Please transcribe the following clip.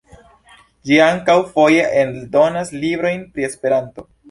Ĝi ankaŭ foje eldonas librojn pri Esperanto.